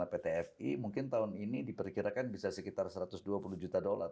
jadi kita bisa menjual sekitar satu ratus dua puluh juta dolar